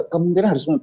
kemudian harus rulet